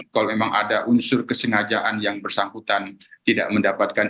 kalau memang ada unsur kesengajaan yang bersangkutan tidak mendapatkan